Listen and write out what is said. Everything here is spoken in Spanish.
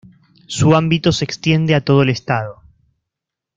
Su ámbito se extiende a todo el Estado.